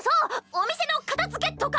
お店の片づけとか。